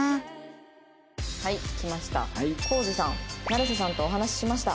「成瀬さんとお話ししました」。